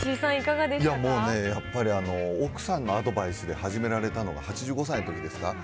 もうね、やっぱり、奥さんのアドバイスで始められたのが８５歳のときですか。